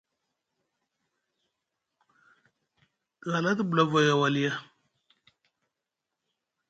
D@Te hala te bula vai a Walia.